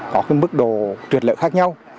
có cái mức độ trượt lở khác nhau